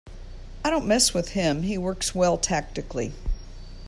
I don't mess with him, he works well tactically.